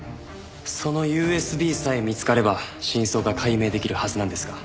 そのＵＳＢさえ見つかれば真相が解明できるはずなんですが。